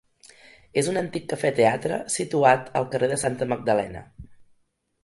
És un antic cafè-teatre situat al carrer de Santa Magdalena.